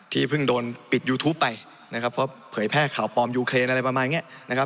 ที่เพิ่งโดนปิดยูทูปไปนะครับเพราะเผยแพร่ข่าวปลอมยูเคนอะไรประมาณเนี้ยนะครับ